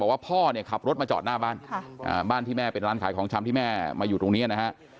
ว่าพ่อเนี่ยขับรถมาจอดหน้าบ้านบ้านที่แม่เป็นร้านขายของชำที่แม่มาอยู่ตรงนี้นะฮะ